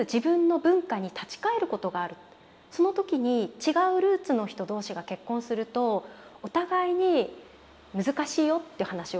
その時に違うルーツの人同士が結婚するとお互いに難しいよっていう話をしてくれたことがあったんです。